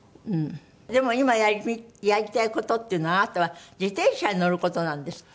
でも今やりたい事っていうのはあなたは自転車に乗る事なんですって？